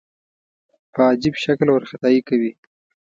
په عجیب شکل وارخطايي کوي.